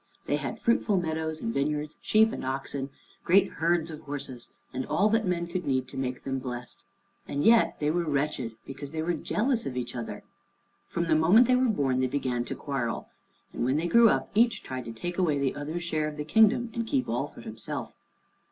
They had fruitful meadows and vineyards, sheep and oxen, great herds of horses, and all that men could need to make them blest. And yet they were wretched, because they were jealous of each other. From the moment they were born they began to quarrel, and when they grew up, each tried to take away the other's share of the kingdom and keep all for himself.